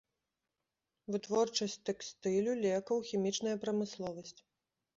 Вытворчасць тэкстылю, лекаў, хімічная прамысловасць.